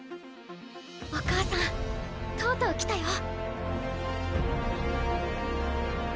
お母さんとうとう来たよ。